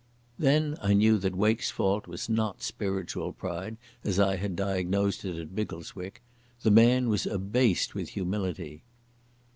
Then I knew that Wake's fault was not spiritual pride, as I had diagnosed it at Biggleswick. The man was abased with humility.